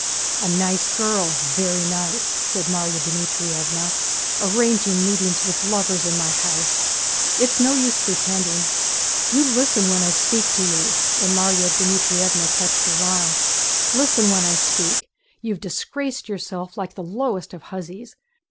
"A nice girl! Very nice!" said Márya Dmítrievna. "Arranging meetings with lovers in my house! It's no use pretending: you listen when I speak to you!" And Márya Dmítrievna touched her arm. "Listen when I speak! You've disgraced yourself like the lowest of hussies.